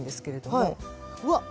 うわっ。